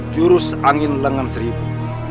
jurus angin lengan seribu